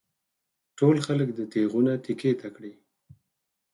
ټول خلک دې تېغونه تېکې ته کړي.